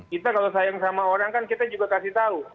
kita kalau sayang sama orang kan kita juga kasih tahu